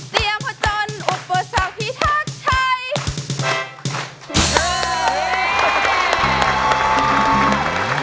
เตรียมผ่าจนอุปสรรคพิทักษ์ไทย